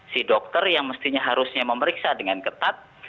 si dokter yang mestinya harusnya memeriksa dengan ketat